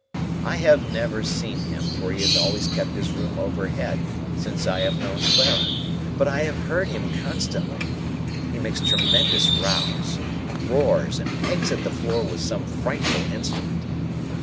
"I have never seen him, for he has always kept his room overhead, since I have known Clara. But I have heard him constantly. He makes tremendous rows,—roars, and pegs at the floor with some frightful instrument."